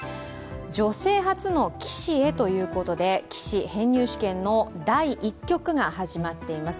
女性初の棋士へということで棋士編入試験の第１局が始まっています。